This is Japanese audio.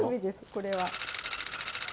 これは。